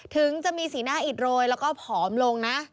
ถึงจะมีสีหน้าอิดโรยแล้วก็ผอมลงนะ